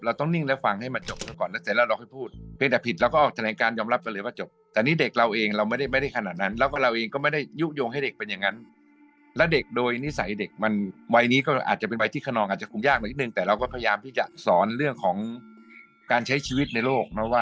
เราต้องนิ่งและฟังให้มันจบก่อนแล้วใส่แล้วเราคือพูดเพียงแต่ผิดแล้วก็